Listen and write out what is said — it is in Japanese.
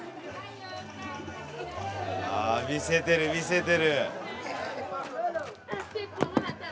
ああ見せてる見せてる。